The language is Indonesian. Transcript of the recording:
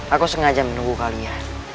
aku sengaja menunggu kalian